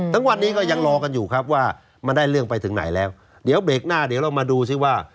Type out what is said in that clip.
ทั้งวันนี้ก็ยังรอกันอยู่ครับว่ามันได้เรื่องไปถึงไหนแล้วเดี๋ยวเบรกหน้าเดี๋ยวเรามาดูซิว่า